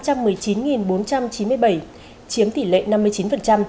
chiếm tỷ lệ năm mươi chín